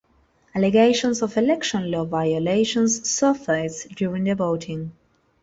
Allegations of election law violations surfaced during the voting.